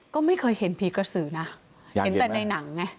ก็ไม่เคยเห็นผีกระสือนะเห็นแต่ในหนังไง